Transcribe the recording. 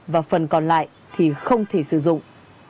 và phần còn lại thì không thể sử dụng